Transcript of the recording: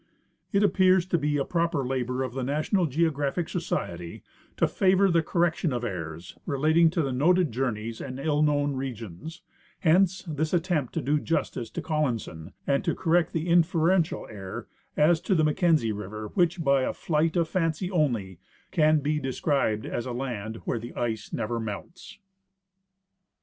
It appears to be a proper labor for the National Geographic Society to favor the correction of errors relating to noted journeys and ill known regions ; hence this attemj^t to do justice to Col linson and to correct the inferential error as to the Mackenzie river which by a flight of fancy only, can be described as a land '' Where the ice never melts." NOTES.